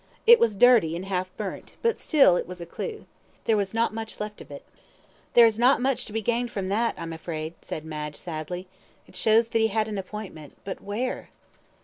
It was dirty, and half burnt, but still it was a clue. The above is a FAC SIMILE of the letter: "There is not much to be gained from that, I'm afraid," said Madge, sadly. "It shows that he had an appointment but where?"